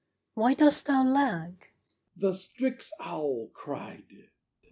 Why dost thou lag? He The strix owl cried.